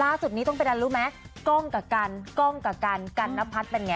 ล่าสุดนี้ต้องเป็นอะไรรู้ไหมกล้องกับกันกล้องกับกันกันนพัฒน์เป็นไง